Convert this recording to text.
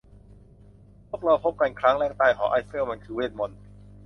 พวกเราพบกันครั้งแรกใต้หอไอเฟล มันคือเวทมนตร์